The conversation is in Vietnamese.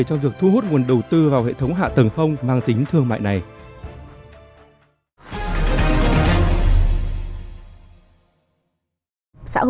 trong việc thu hút nguồn đầu tư vào hệ thống hạ tầng không mang tính thương mại này